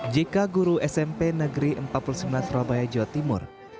jika guru smp negeri empat puluh sembilan surabaya jawa timur